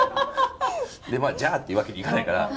「じゃあ」っていうわけにいかないから。